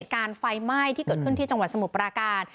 เหตุการณ์ไฟม่ายที่เกิดขึ้นที่จังหวัดสมุทรประการ